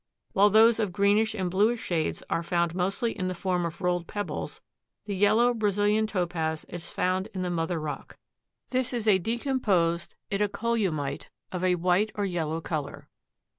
While those of greenish and bluish shades are found mostly in the form of rolled pebbles the yellow Brazilian Topaz is found in the mother rock. This is a decomposed itacolumite of a white or yellow color.